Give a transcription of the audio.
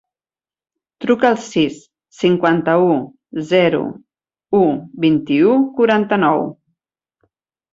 Truca al sis, cinquanta-u, zero, u, vint-i-u, quaranta-nou.